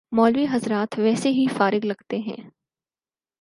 مولوی حضرات ویسے ہی فارغ لگتے ہیں۔